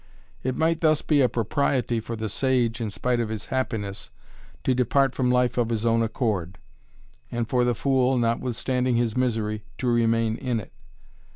It might thus be a propriety for the sage in spite of his happiness, to depart from life of his own accord, and for the fool notwithstanding his misery, to remain in it.